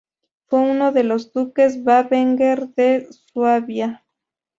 Fue uno de los duques Babenberg de Suabia.